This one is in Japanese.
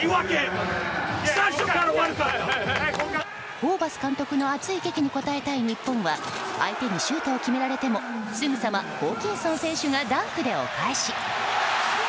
ホーバス監督の熱いげきに応えたい日本は相手にシュートを決められてもすぐさまホーキンソン選手がダンクでお返し！